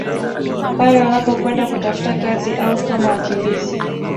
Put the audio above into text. Pale wanapokwenda kutafuta kazi au kama wakimbizi